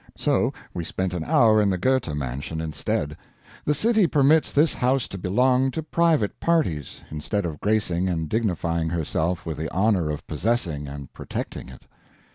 So we spent an hour in the Goethe mansion instead. The city permits this house to belong to private parties, instead of gracing and dignifying herself with the honor of possessing and protecting it.